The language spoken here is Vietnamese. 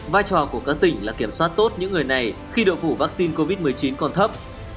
vai trò của các tỉnh là kiểm soát tốt những người này khi độ phủ vaccine covid một mươi chín còn thấp